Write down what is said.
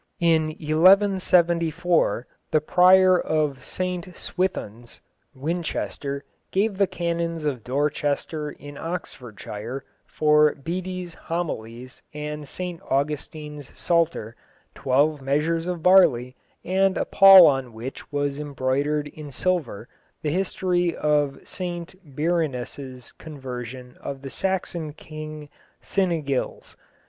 In 1174 the Prior of St Swithun's, Winchester, gave the Canons of Dorchester in Oxfordshire, for Bede's Homilies and St Augustine's Psalter, twelve measures of barley, and a pall on which was embroidered in silver the history of St Birinus' conversion of the Saxon King Cynegils.